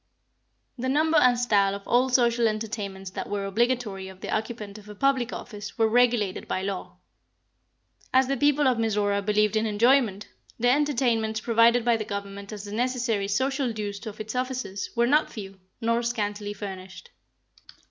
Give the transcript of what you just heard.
The number and style of all social entertainments that were obligatory of the occupant of a public office, were regulated by law. As the people of Mizora believed in enjoyment, the entertainments provided by the Government as the necessary social dues of its officers, were not few, nor scantily furnished.